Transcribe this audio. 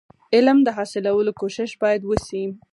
علم د حاصلولو کوښښ باید وسي.